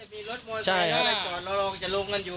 มีรถมอไซค์อะไรก่อนเราลองจะลงกันอยู่